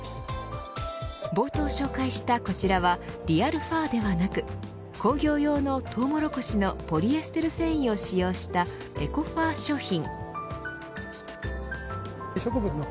冒頭紹介したこちらはリアルファーではなく工業用のトウモロコシのポリエステル繊維を使用したエコファー商品。